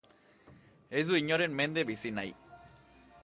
Ez du inoren mende bizi nahi.